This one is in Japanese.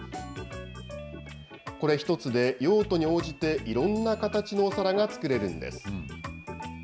これ一つで、用途に応じていろんな形のお皿が作れるんです。